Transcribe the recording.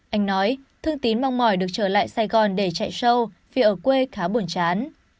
anh nói thương tím mong mỏi được trở lại sài gòn để chạy sâu vì ở quê khá buồn chán